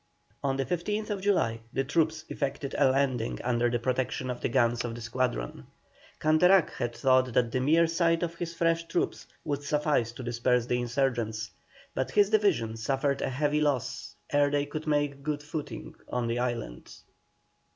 On the 15th July the troops effected a landing under the protection of the guns of the squadron. Canterac had thought that the mere sight of his fresh troops would suffice to disperse the insurgents, but his division suffered a heavy loss ere they could make good their footing on the island.